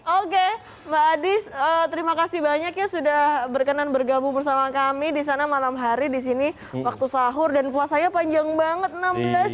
oke pak adis terima kasih banyak ya sudah berkenan bergabung bersama kami di sana malam hari di sini waktu sahur dan puasanya panjang banget